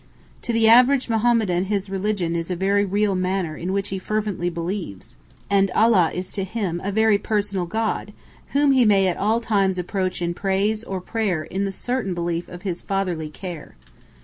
To the average Mohammedan his religion is a very real matter in which he fervently believes, and Allah is to him a very personal God, whom he may at all times approach in praise or prayer in the certain belief of His fatherly care.